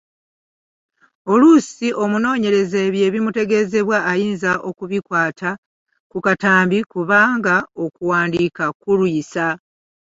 Oluusi omunoonyereza ebyo ebimutegeezebwa ayinza okubikwata ku katambi kubanga okuwandiika kulwisa.